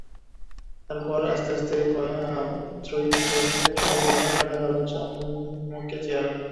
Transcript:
তারপর আস্তে আস্তে অপু ত্রয়ী ফিরে পেতে শুরু করল সাদা-কালো ঝকমকে চেহারা।